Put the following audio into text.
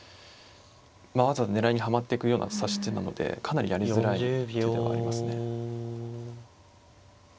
わざわざ狙いにはまってくような指し手なのでかなりやりづらい手ではありますね。